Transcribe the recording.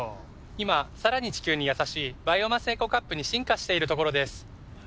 今さらに地球にやさしいバイオマスエコカップに進化しているところです。